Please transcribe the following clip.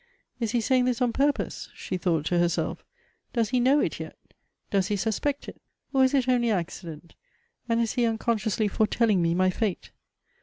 Is he saying this on pur pose ? She thought to herself. Does he know it yet ? Does he suspect it? or is it only accident ; and is he unconsciously foretelling me my fate